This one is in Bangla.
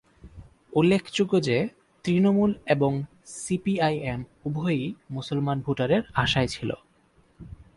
উল্লেখযোগ্য যে তৃণমূল এবং সিপিআইএম উভয়েই মুসলমান ভোটারের আশায় ছিল।